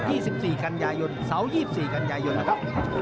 ติด๒๔กรรยายทนเสาร์๒๔กรรยายทนไปครับ